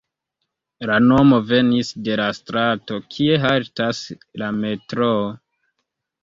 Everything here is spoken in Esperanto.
La nomo venis de la strato, kie haltas la metroo.